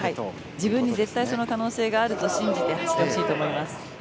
自分に絶対その可能性があると信じて走ってほしいと思います。